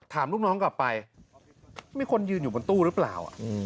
ลูกน้องกลับไปมีคนยืนอยู่บนตู้หรือเปล่า